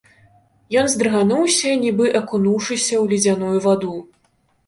Ён здрыгануўся, нібы акунуўшыся ў ледзяную ваду.